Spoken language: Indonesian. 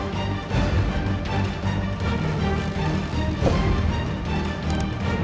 tidak pernah terjadi